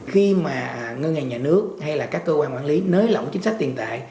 khi mà ngân hàng nhà nước hay là các cơ quan quản lý nới lỏng chính sách tiền tệ